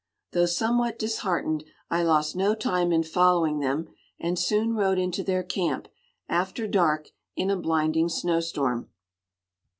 Though somewhat disheartened, I lost no time in following them, and soon rode into their camp, after dark, in a blinding snow storm.